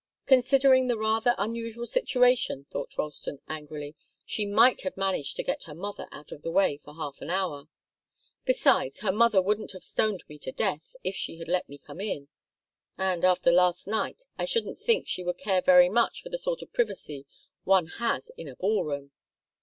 "Considering the rather unusual situation," thought Ralston, angrily, "she might have managed to get her mother out of the way for half an hour. Besides, her mother wouldn't have stoned me to death, if she had let me come in and, after last night, I shouldn't think she would care very much for the sort of privacy one has in a ball room."